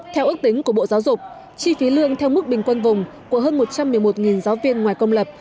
theo ước tính của bộ giáo dục chi phí lương theo mức bình quân vùng của hơn một trăm một mươi một giáo viên ngoài công lập